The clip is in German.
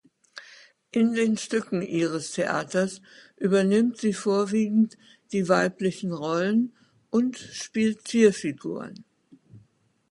In den Stücken ihres Theaters übernimmt sie vorwiegend die weiblichen Rollen und spielt Tierfiguren.